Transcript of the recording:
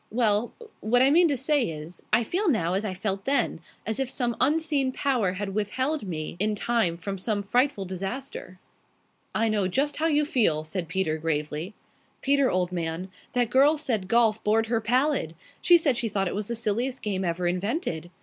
Well, what I mean to say is, I feel now as I felt then as if some unseen power had withheld me in time from some frightful disaster." "I know just how you feel," said Peter, gravely. "Peter, old man, that girl said golf bored her pallid. She said she thought it was the silliest game ever invented."